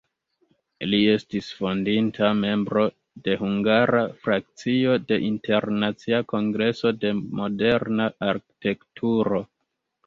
Li estis fondinta membro de hungara frakcio de Internacia Kongreso de Moderna Arkitekturo.